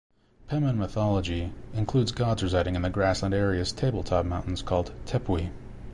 Pemon mythology includes gods residing in the grassland area's table-top mountains called "tepui".